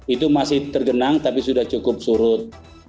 itu masih tergenang tapi sudah cukup surut